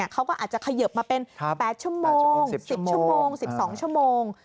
เขาก็อาจจะเขยิบมาเป็น๘ชั่วโมง๑๐ชั่วโมง๑๒ชั่วโมง